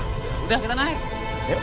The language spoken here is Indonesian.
udah kita naik